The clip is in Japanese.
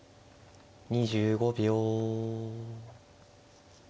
２５秒。